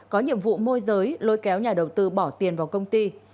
có nhiệm vụ môi giới lôi kéo nhà đầu tư bỏ tiền vào công ty